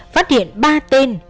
phát hiện ba tên